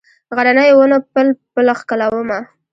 غرنیو ونو پل، پل ښکلومه